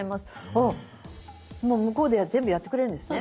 ああもう向こうで全部やってくれるんですね。